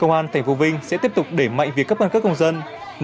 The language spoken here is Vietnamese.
công an tp vinh sẽ tiếp tục để mạnh việc cấp căn cước công dân